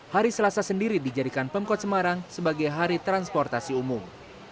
hari selasa sendiri dijadikan pemkot semarang sebagai hari transportasi umum